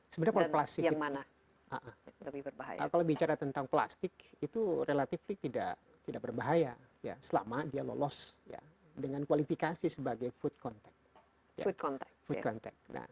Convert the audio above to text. sebenarnya kalau plastik itu kalau bicara tentang plastik itu relatif tidak berbahaya selama dia lolos dengan kualifikasi sebagai food contact food contact